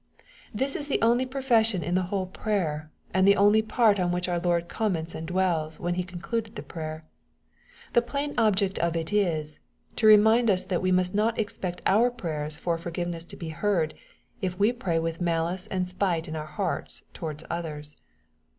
This is the only profession in the whole prayer, and the only part on which our Lord comments and dwells, when He has concluded the prayer. The plain object of it is, to remind us that we must not expect our prayers for for giveness to be heard, if we pray with malice and spite in our hearts towards others.